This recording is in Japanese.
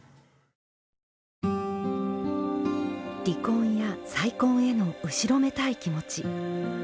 離婚や再婚への後ろめたい気持ち。